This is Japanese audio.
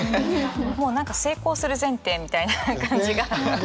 もう何か成功する前提みたいな感じが。